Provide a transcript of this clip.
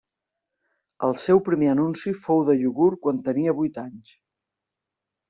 El seu primer anunci fou de iogurt quan tenia vuit anys.